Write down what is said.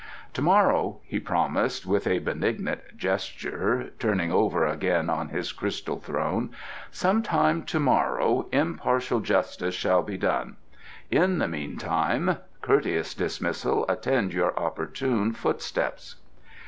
"To morrow," he promised, with a benignant gesture, turning over again on his crystal throne, "some time to morrow impartial justice shall be done. In the meanwhile courteous dismissal attend your opportune footsteps."